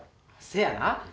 せやな。